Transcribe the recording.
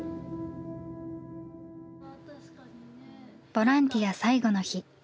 ボランティア最後の日。